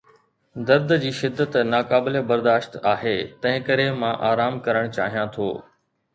درد جي شدت ناقابل برداشت آهي، تنهنڪري مان آرام ڪرڻ چاهيان ٿو